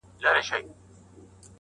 چي د عیش پیمانه نه غواړې نسکوره-